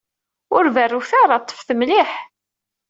Ur berrut ara! Ṭṭfet mliḥ!